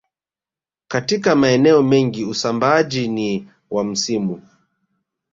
Katika maeneo mengi usambaaji ni wa msimu